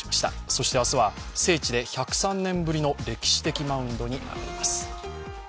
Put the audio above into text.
そして明日は聖地で１０３年ぶりの歴史的マウンドに上がります。